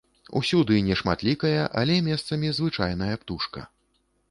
Усюды нешматлікая, але месцамі звычайная птушка.